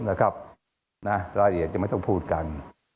รายละเอียดจะไม่ต้องพูดกัน